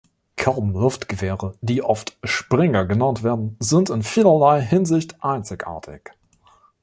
Kolben-Luftgewehre, die oft „Springer“ genannt werden, sind in vielerlei Hinsicht einzigartig.